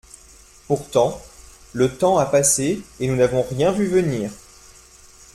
Pourtant, le temps a passé et nous n’avons rien vu venir.